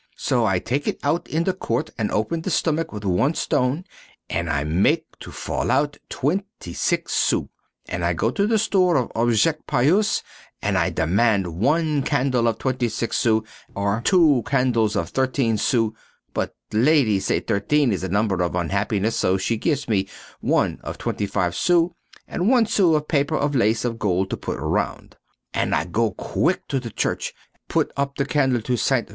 So I take it out in the court and open the stomach with one stone and I make to fall out 26 sous! And I go to the store of objects pious, and I demand one candle of 26 sous or two candles of 13 sous, but the lady say 13 is a number of unhappiness so she give me one of 25 sous, and one sou of paper of lace of gold to put around. And I go quick to the church, and put up the candle to the Ste.